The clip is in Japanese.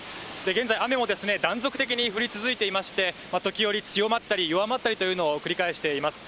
現在、雨も断続的に降り続いていまして、時折、強まったり弱まったりというのを繰り返しています。